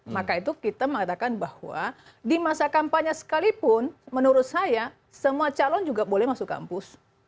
maka itu kita mengatakan bahwa di masa kampanye sekalipun menurut saya semua calon juga boleh masuk kampus